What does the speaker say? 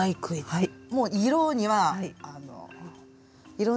はい。